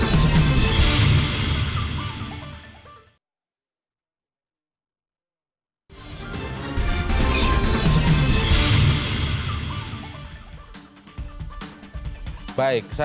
bagaimana cara mengelakkan perubahan yang berlaku